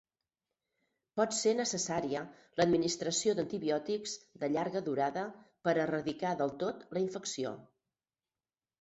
Pot ser necessària l'administració d'antibiòtics de llarga durada per erradicar del tot la infecció.